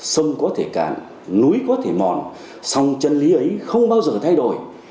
sông có thể cạn núi có thể mòn sông chân lý ấy không bao giờ thay đổi